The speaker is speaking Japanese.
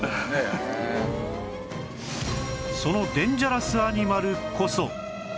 そのデンジャラスアニマルこそ